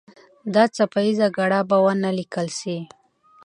دا څپه ایزه ګړه به ونه لیکل سي.